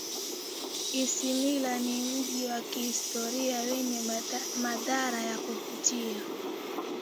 isimila ni mji wa kihistoria wenye mandhari ya kuvutia